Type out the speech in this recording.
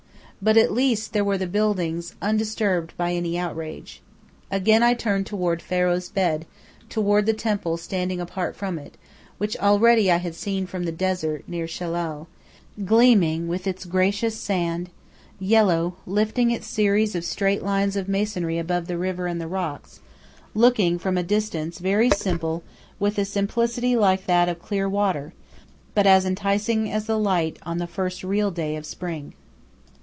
But at least there were the buildings undisturbed by any outrage. Again I turned toward "Pharaoh's Bed," toward the temple standing apart from it, which already I had seen from the desert, near Shellal, gleaming with its gracious sand yellow, lifting its series of straight lines of masonry above the river and the rocks, looking, from a distance, very simple, with a simplicity like that of clear water, but as enticing as the light on the first real day of spring.